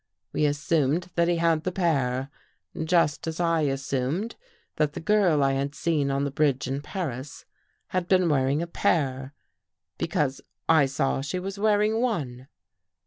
We assumed that he had the pair. Just as I assumed that the girl I had seen on the bridge in Paris had been wearing a pair, because I saw she was wearing one."